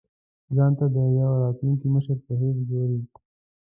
ځان ته د یوه راتلونکي مشر په حیث ګوري.